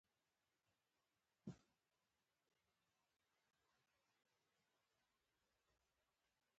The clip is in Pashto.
هغه ملامت و سلامت نه شي معلومولای.